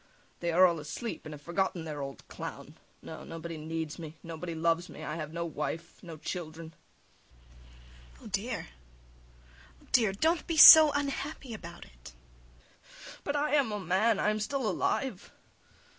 They are all asleep, and have forgotten their old clown. No, nobody needs me, nobody loves me; I have no wife, no children. IVANITCH. Oh, dear! Oh, dear! Don't be so unhappy about it. SVIETLOVIDOFF. But I am a man, I am still alive.